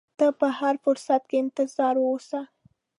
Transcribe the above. ته په هر فرصت کې انتظار اوسه.